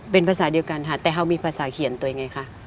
เป็นภาษาเดียวกันค่ะแต่เขามีภาษาเขียนตัวเองไงคะ